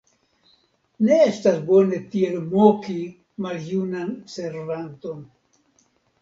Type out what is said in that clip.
Ne estas bone tiel moki maljunan servanton.